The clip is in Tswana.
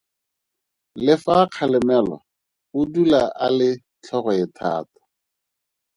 Le fa a kgalemelwa o dula a le tlhogoethata.